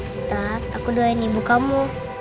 kita aku doain ibu kamu